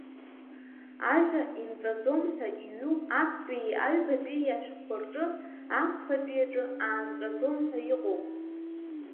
Ажәа инҵәаӡом ҳәа иҩу актәии аҩбатәии ашәҟәқәа рҿы, ахԥатәи аҿы аанҵәаӡом ҳәа иҟоуп.